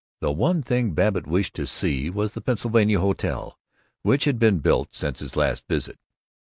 The one thing Babbitt wished to see was the Pennsylvania Hotel, which had been built since his last visit.